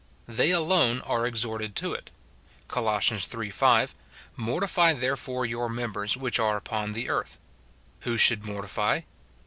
They alone are ex horted to it : Coh iii. 5, " Mortify therefore your mem bers which are upon the earth." Who should mortify?